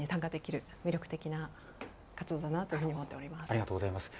ありがとうございます。